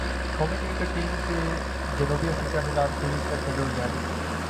قومی cricket team کے جنوبی افریقہ کیخلاف سیریز کا شیڈول جاری